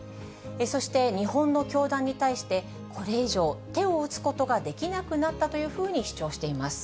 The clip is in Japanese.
そして、日本の教団に対して、これ以上、手を打つことができなくなったというふうに主張しています。